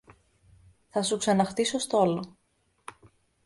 Θα σου ξαναχτίσω στόλο